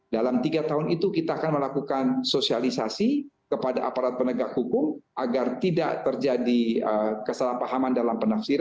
dalam tiga tahun itu kita akan melakukan sosialisasi kepada aparat penegak hukum agar tidak terjadi kesalahpahaman dalam penafsiran